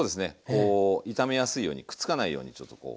こう炒めやすいようにくっつかないようにちょっとこう。